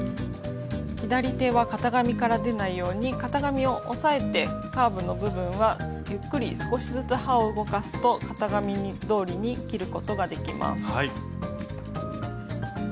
左手は型紙から出ないように型紙を押さえてカーブの部分はゆっくり少しずつ刃を動かすと型紙どおりに切ることができます。